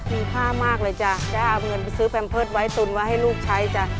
มีค่ามากเลยจ้ะจะเอาเงินไปซื้อแพมเพิร์ตไว้ตุนไว้ให้ลูกใช้จ้ะ